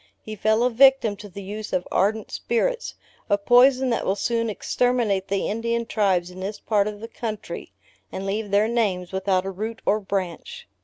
He fell a victim to the use of ardent spirits a poison that will soon exterminate the Indian tribes in this part of the country, and leave their names without a root or branch.